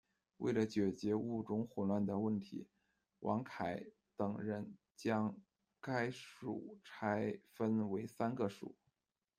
为了解决物种混乱的问题，王剀等人将该属拆分为三个属。